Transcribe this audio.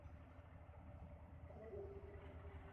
等到在田里工作的人回家